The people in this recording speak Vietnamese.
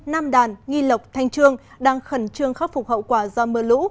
nam đàn nghi lộc thanh trương đang khẩn trương khắc phục hậu quả do mưa lũ